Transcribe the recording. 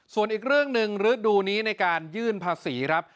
ส่วนอีกเรื่องหนึ่งฤดูนี้ในการยื่นภาษีครับ